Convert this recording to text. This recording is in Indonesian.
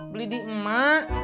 beli di emak